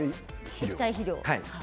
液体肥料。